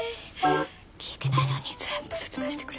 聞いてないのに全部説明してくれる。